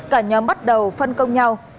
cả nhóm bắt đầu phân công nhau